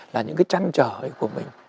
là những cái trăn trở ấy của mình